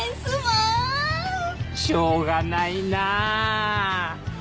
しょうがないな。